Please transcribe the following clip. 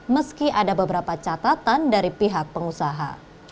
meski ada beberapa catatan dari pihak pengusaha